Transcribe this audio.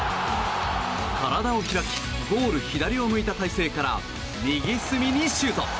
体を開きゴール左を向いた体勢から右隅にシュート。